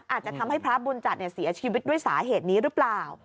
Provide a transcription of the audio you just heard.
อาจจะทำให้พระบุญจัดเสียชีวิตด้วยสาเหตุนี้หรือเปล่า